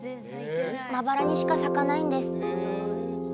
まばらにしか咲かないんです。